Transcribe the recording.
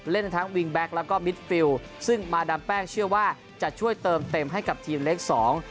เล่นทั้งวิงแก๊กแล้วก็มิดฟิลซึ่งมาดามแป้งเชื่อว่าจะช่วยเติมเต็มให้กับทีมเล็กสอง